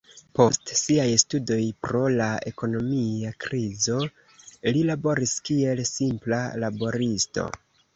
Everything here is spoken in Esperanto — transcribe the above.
Post siaj studoj pro la ekonomia krizo li laboris kiel simpla laboristo.